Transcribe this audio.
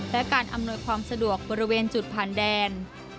และการอำนวยความสะดวกบริเวณจุดผ่านแดน